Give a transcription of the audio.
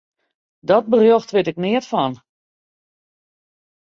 Dat berjocht wit ik neat fan.